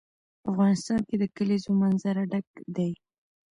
افغانستان له د کلیزو منظره ډک دی.